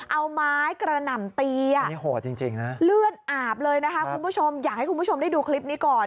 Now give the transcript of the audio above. เอาไม้กระหน่ำตีอ่ะนี่โหดจริงนะเลือดอาบเลยนะคะคุณผู้ชมอยากให้คุณผู้ชมได้ดูคลิปนี้ก่อน